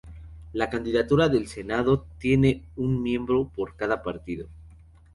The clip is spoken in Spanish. La candidatura del Senado tiene un miembro de cada partido.